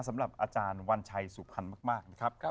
สำหรับอาจารย์วัญชัยสุพรรณมากนะครับ